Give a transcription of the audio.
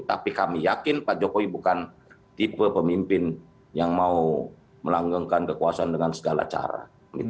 tapi kami yakin pak jokowi bukan tipe pemimpin yang mau melanggengkan kekuasaan dengan segala cara